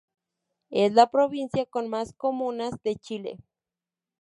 Es la provincia con más comunas de Chile.